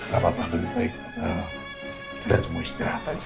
gak apa apa lebih baik tidak semua istirahat aja